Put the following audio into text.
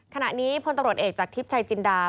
ขณะนี้พลตำรวจเอกจากทิพย์ชัยจินดา